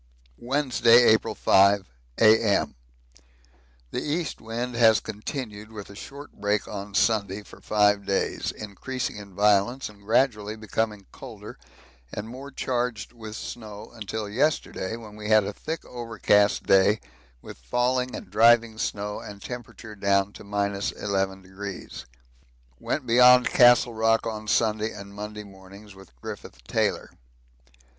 Wednesday, April 5, A.M. The east wind has continued with a short break on Sunday for five days, increasing in violence and gradually becoming colder and more charged with snow until yesterday, when we had a thick overcast day with falling and driving snow and temperature down to 11°. Went beyond Castle Rock on Sunday and Monday mornings with Griffith Taylor.